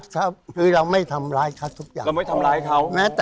ทำไมอะไข้กินทำไมอะ